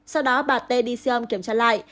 sau đó bà t đi siêu âm kiểm tra lại